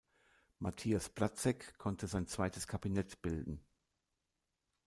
Matthias Platzeck konnte sein zweites Kabinett bilden.